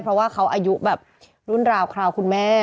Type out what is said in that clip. เพราะว่าเขาอายุแบบรุ่นราวคราวคุณแม่